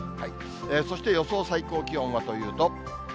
そして予想最高気温はというと。